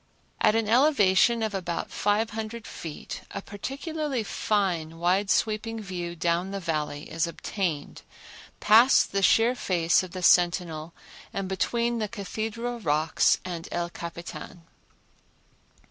At an elevation of about five hundred feet a particularly fine, wide sweeping view down the Valley is obtained, past the sheer face of the Sentinel and between the Cathedral Rocks and El Capitan.